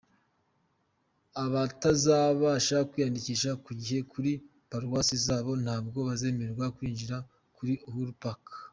Abatazabasha kwiyandikisha ku gihe kuri paruwasi zabo ntabwo bazemererwa kwinjira kuri Uhuru Park.